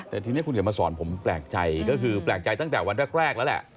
แต่ทีนี้คุณเขียนมาสอนผมแปลกใจก็คือแปลกใจตั้งแต่วันแรกแล้วแหละ